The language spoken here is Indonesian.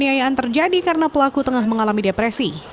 penganiayaan terjadi karena pelaku tengah mengalami depresi